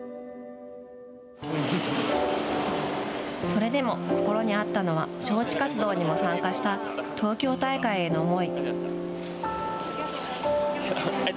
それでも心にあったのは招致活動にも参加した東京大会への思い。